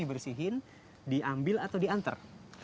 dibersihin diambil atau diantar